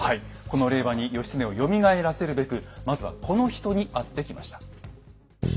この令和に義経をよみがえらせるべくまずはこの人に会ってきました。